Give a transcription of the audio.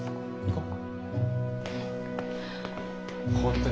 あっ。